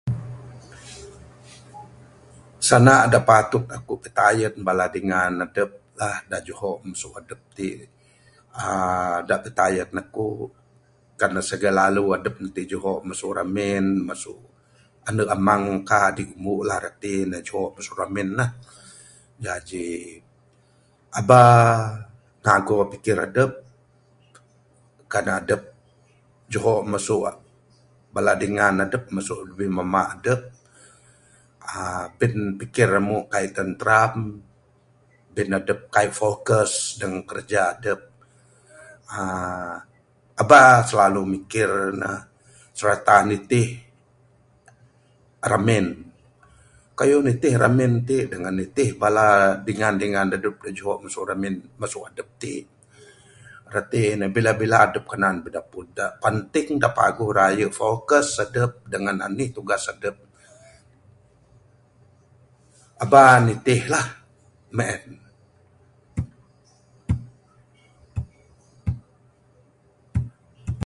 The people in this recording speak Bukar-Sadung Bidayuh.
Sanda dak patut aku pitayun bala dingan adup uhh dak juho masu adup ti uhh dak pitayun aku kan sagal lalu adup ti juho masu ramin masu ande amang kah adik umbu lah rati ne juho masu ramin lah, jaji aba gago pikir adup kan adup juho masu bala dingan adup masu abih mamba adup uhh bin pikir amu kai tenteram bin adup kai fokus dengan kiraja adup uhh aba silalu mikir ne serta nitih ramin, kayuh nitih ramin ti dengan nitih bala dingan-dingan adup dak juho masu ramin, masu adup ti rati ne bila-bila adup kanan bidapud dak penting dak paguh raye fokus adup dengan anih tugas adup, aba nitih lah, meng en